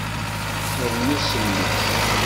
Rnu semmus.